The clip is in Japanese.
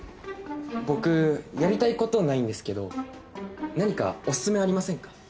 僕やりたいことないんですけど何かおすすめありませんか？